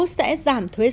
sẽ giảm thuế sạch